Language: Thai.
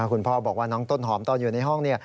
คุณพ่อบอกว่าน้องต้นหอมตอนอยู่ในห้อง